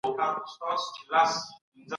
په ټولنه کې د خلګو په اړه ناسم قضاوت کېږي.